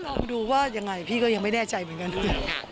แล้วก็ลองดูว่ายังไงพี่ก็ยังไม่แน่ใจเหมือนกันด้วย